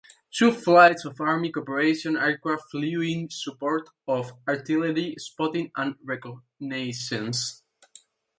Two flights of Army Cooperation aircraft flew in support of artillery spotting and reconnaissance.